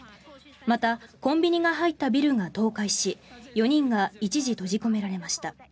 また、コンビニが入ったビルが倒壊し４人が一時、閉じ込められました。